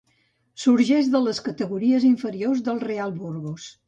Sorgeix de les categories inferiors del Real Burgos.